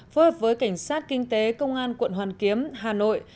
phối hợp với cảnh sát kinh tế công an quận hoàn kiếm hà nội